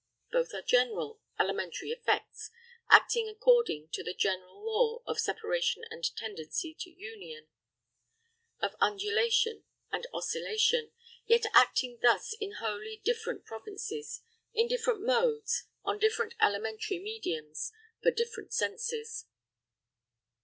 Both are general, elementary effects acting according to the general law of separation and tendency to union, of undulation and oscillation, yet acting thus in wholly different provinces, in different modes, on different elementary mediums, for different senses.